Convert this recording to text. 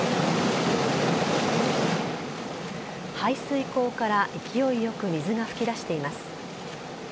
排水溝から勢いよく水が噴き出しています。